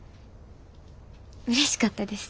うれしかったです。